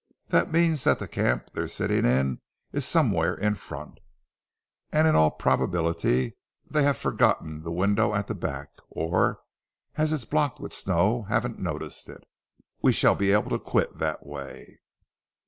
That means that the camp they're sitting in is somewhere in front; and in all probability they've forgotten the window at the back, or as it's blocked with snow haven't noticed it. We shall be able to quit that way."